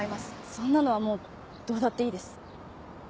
そんなのはもうどうだっていいです。